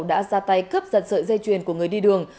đã ra tay cướp giật sợi dây chuyền của người đi đường